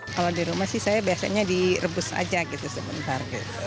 kalau di rumah sih saya biasanya direbus aja gitu sebentar